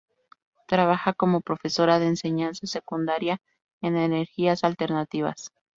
Trabaja como profesora de enseñanza secundaria en energías alternativas.